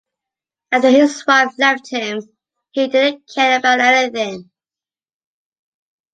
After his wife left him, he didn't care about anything.